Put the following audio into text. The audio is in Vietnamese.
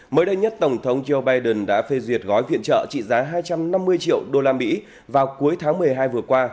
mới đây nhất tổng thống joe biden đã phê duyệt gói viện trợ trị giá hai trăm năm mươi triệu usd vào cuối tháng một mươi hai vừa qua